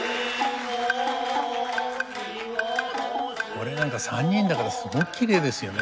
これなんか３人だからすごくきれいですよね。